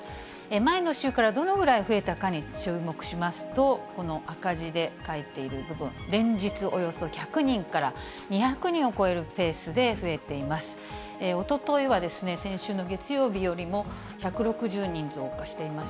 前の週からどのぐらい増えたかに注目しますと、この赤字で書いている部分、連日、およそ１００人から２００人を超えるペースで増えています。